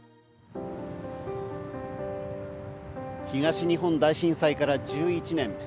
東日本大震災から１１年。